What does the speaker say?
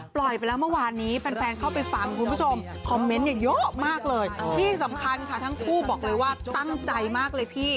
ปล่อยไปแล้วเมื่อวานนี้แฟนเข้าไปฟังคุณผู้ชมคอมเมนต์เนี่ยเยอะมากเลยที่สำคัญค่ะทั้งคู่บอกเลยว่าตั้งใจมากเลยพี่